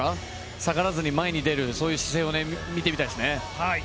下がらずに前に出る、そういう姿勢を見てみたいですね。